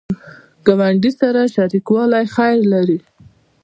ګاونډي سره شریکوالی خیر لري